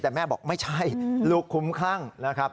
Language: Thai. แต่แม่บอกไม่ใช่ลูกคุ้มคลั่งนะครับ